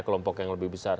kelompok yang lebih besar